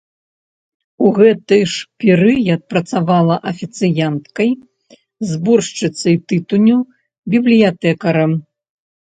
У гэты ж перыяд працавала афіцыянткай, зборшчыцай тытуню, бібліятэкарам.